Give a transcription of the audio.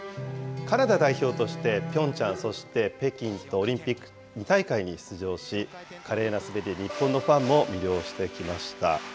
カナダ代表としてピョンチャン、そして北京と、オリンピック２大会に出場し、華麗な滑りで日本のファンも魅了してきました。